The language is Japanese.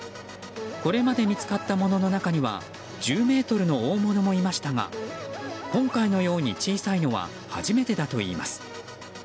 これまで見つかったものの中には１０ｍの大物もいましたが今回のように小さいのは初めてだといいます。